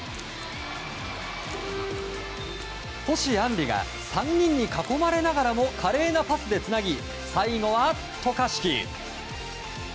星杏璃が３人に囲まれながらも華麗なパスでつなぎ最後は渡嘉敷。